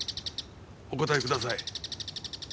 お答えください。